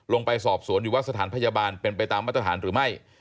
ลงไปสอบสวนอยู่ว่าสถานพยาบาลเป็นไปตามมาตรฐานหรือไม่